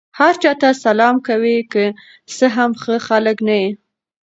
هر چا ته سلام کوئ! که څه هم ښه خلک نه يي.